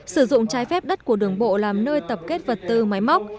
sử dụng trái phép đất của đường bộ làm nơi tập kết vật tư máy móc